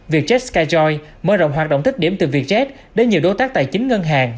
vietjet skyjoy mơ rộng hoạt động tích điểm từ vietjet đến nhiều đối tác tài chính ngân hàng